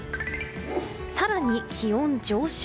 更に気温上昇。